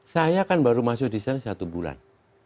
saya kan baru masuk di sana satu bulan